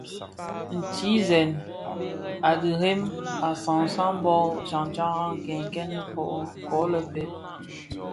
Ntizèn a dhirem a ghasag bō tsantaraň nkènkènèn ko le fe,